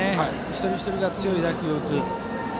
一人一人が強い打球を打つ。